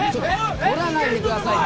撮らないでください！